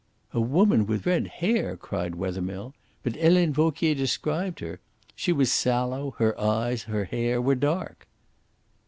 "A woman with red hair!" cried Wethermill. "But Helene Vauquier described her. She was sallow; her eyes, her hair, were dark."